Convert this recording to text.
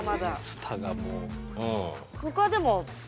ツタがもう。